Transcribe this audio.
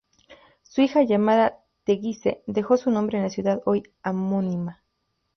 Su hija, llamada "Teguise," dejó su nombre a la ciudad hoy homónima.